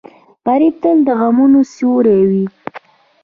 غریب تل د غمونو سیوری وي